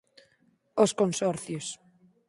Os consorcios.